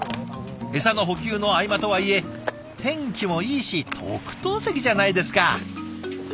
エサの補給の合間とはいえ天気もいいし特等席じゃないですか！